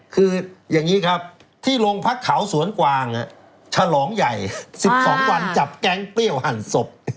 คืออย่างนี้ครับที่โรงพักเขาสวนกวางฉลองใหญ่๑๒วันจับแก๊งเปรี้ยวหั่นศพ